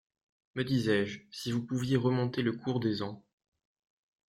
Me disais-je, si vous pouviez remonter le cours des ans.